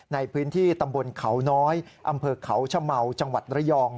ในพื้นที่ตำบลเขาน้อยอำเภอเขาชะเมาจังหวัดระยอง